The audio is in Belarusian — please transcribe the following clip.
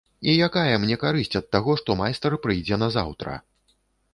І якая мне карысць ад таго, што майстар прыйдзе назаўтра?